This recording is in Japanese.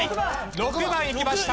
６番いきました。